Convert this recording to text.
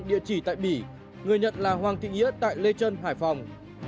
người gửi là bỉ người nhận là hoàng thị nghĩa tại lê trân hải phòng